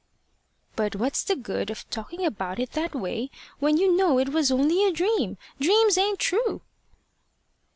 "But what's the good of talking about it that way, when you know it was only a dream? Dreams ain't true."